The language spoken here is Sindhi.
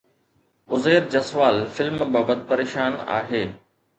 عزير جسوال فلم بابت پريشان آهي